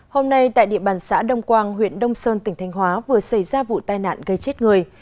hôm nay tại địa bàn xã đông quang huyện đông sơn tỉnh thanh hóa vừa xảy ra vụ tai nạn gây chết người